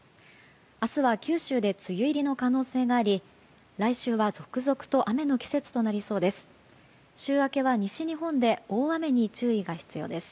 明日は九州で梅雨入りの可能性があり来週は続々と雨の季節となりそうです。